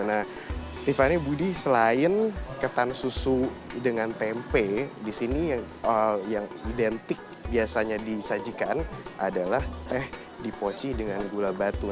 nah tiffany budi selain ketan susu dengan tempe disini yang identik biasanya disajikan adalah teh dipoci dengan gula batu